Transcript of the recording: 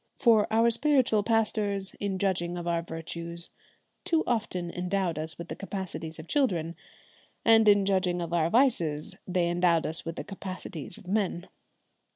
For our spiritual pastors, in judging of our virtues, too often endowed us with the capacities of children, and in judging of our vices they endowed us with the capacities of men.